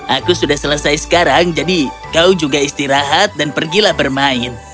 aku sudah selesai sekarang jadi kau juga istirahat dan pergilah bermain